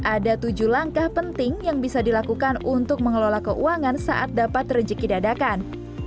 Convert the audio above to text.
ada tujuh langkah penting yang bisa dilakukan untuk mengelola keuangan saat dapat rejeki dadakan